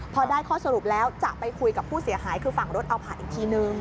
พอได้ข้อสรุปแล้วจะไปคุยกับผู้เสียหายคือฝั่งรถเอาผ่านอีกทีนึง